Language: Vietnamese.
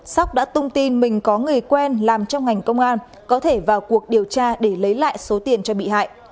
sóc đã tung tin mình có người quen làm trong ngành công an có thể vào cuộc điều tra để lấy lại số tiền cho bị hại